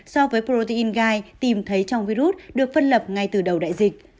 so với protein gai tìm thấy trong virus được phân lập ngay từ đầu đại dịch